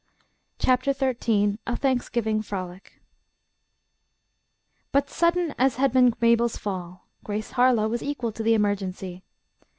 CHAPTER XIII A THANKSGIVING FROLIC But sudden as had been Mabel's fall, Grace Harlowe was equal to the emergency.